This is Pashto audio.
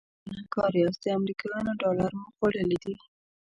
تاسې ګنهګار یاست د امریکایانو ډالر مو خوړلي دي.